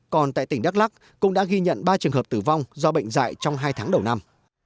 còn tại tỉnh đắk lắc cũng đã ghi nhận ba trường hợp tử vong do bệnh dạy trong hai tháng đầu năm